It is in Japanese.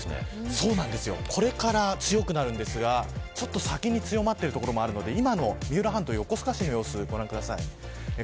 これから強くなるんですが先に強まっている所もあるので今の三浦半島、横須賀市の豪雨をご覧ください。